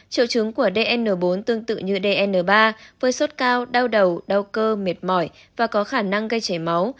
triệu chứng của dn bốn tương tự như dn ba với sốt cao đau đầu đau cơ mệt mỏi và có khả năng gây chảy máu